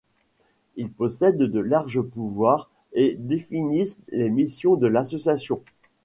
Ils possèdent de larges pouvoirs et définissent les missions de l'association.